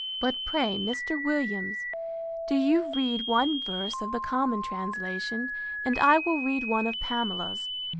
But pray, Mr. Williams, do you read one verse of the common translation, and I will read one of Pamela's.